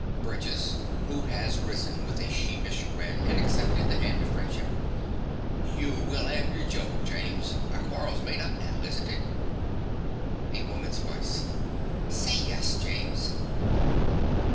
BURGESS (who has risen with a sheepish grin and accepted the hand of friendship). You will 'ave your joke, James. Our quarrel's made up now, isn't it? A WOMAN'S VOICE. Say yes, James.